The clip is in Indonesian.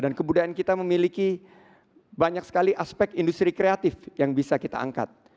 dan kebudayaan kita memiliki banyak sekali aspek industri kreatif yang bisa kita angkat